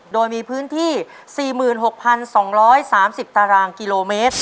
โดยมีพื้นที่๔๖๒๓๐ตารางกิโลเมตร